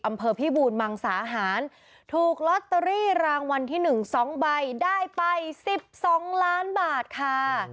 อำเภอพี่บูนมังสาหารถูกล็อตเตอรี่รางวัลที่หนึ่งสองใบได้ไปสิบสองล้านบาทค่ะ